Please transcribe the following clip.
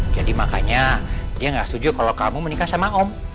jadi makanya dia gak setuju kalau kamu menikah sama om